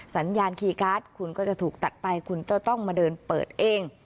สัญญาณคีย์การ์ดคุณก็จะถูกตัดไปคุณก็ต้องมาเดินเปิดเอง